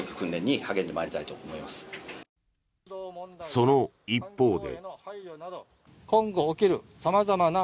その一方で。